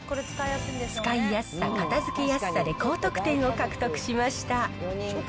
使いやすさ、片づけやすさで高得点を獲得しました。